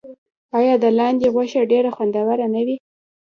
آیا د لاندي غوښه ډیره خوندوره نه وي؟